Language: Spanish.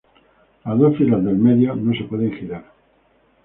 Las dos filas del medio no se pueden girar.